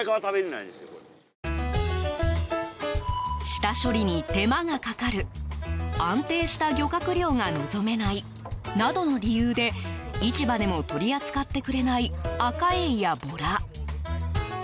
下処理に手間がかかる安定した漁獲量が望めないなどの理由で市場でも取り扱ってくれないアカエイやボラ。